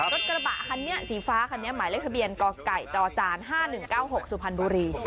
รถกระบะคันนี้สีฟ้าคันนี้หมายเลขทะเบียนกไก่จจ๕๑๙๖สุพรรณบุรี